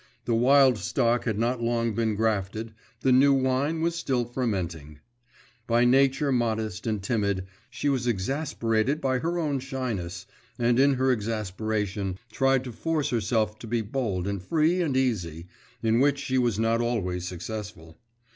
The wild stock had not long been grafted, the new wine was still fermenting. By nature modest and timid, she was exasperated by her own shyness, and in her exasperation tried to force herself to be bold and free and easy, in which she was not always successful.